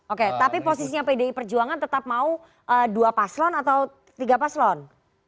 oke tapi posisinya pdi perjuangan tetap mau dua paslon atau tiga paslon